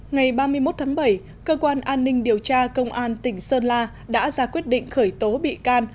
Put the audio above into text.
ngày ba mươi một tháng bảy cơ quan an ninh điều tra công an tỉnh sơn la đã ra quyết định khởi tố bị can